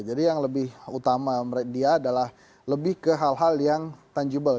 jadi yang lebih utama dia adalah lebih ke hal hal yang tangible